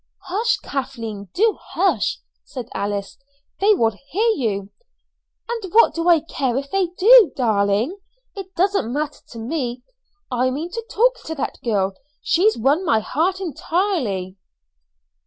"Hush, Kathleen do hush!" said Alice. "They will hear you." "And what do I care if they do, darling? It doesn't matter to me. I mean to talk to that girl; she's won my heart entirely."